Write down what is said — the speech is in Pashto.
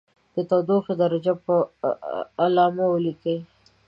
د تودوخې درجه په علامه ولیکئ.